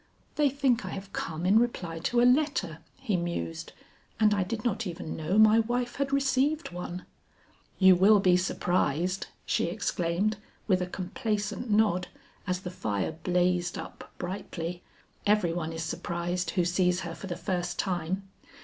"They think I have come in reply to a letter," he mused, "and I did not even know my wife had received one." "You will be surprised," she exclaimed with a complacent nod as the fire blazed up brightly; "every one is surprised who sees her for the first time.